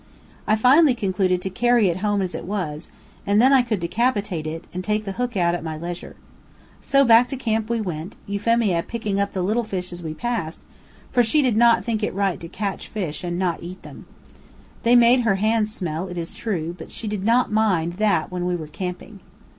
I finally concluded to carry it home as it was, and then I could decapitate it, and take out the hook at my leisure. So back to camp we went, Euphemia picking up the little fish as we passed, for she did not think it right to catch fish and not eat them. They made her hands smell, it is true; but she did not mind that when we were camping.